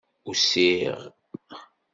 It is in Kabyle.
Usiɣ.